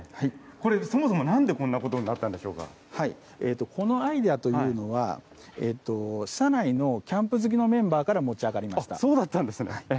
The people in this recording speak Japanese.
これ、そもそもなんでこんなことこのアイデアというのは、社内のキャンプ好きのメンバーから持ち上がりました。